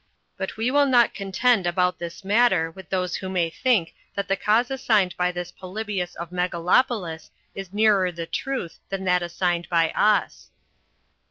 But we will not contend about this matter with those who may think that the cause assigned by this Polybius of Megalopolis is nearer the truth than that assigned by us.